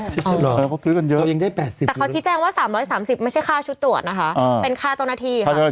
แต่เขาพิจารณ์ว่า๓๓๐ไม่ใช่ค่าชุดตรวจนะครับเป็นค่าธนที่